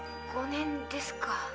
５年ですか。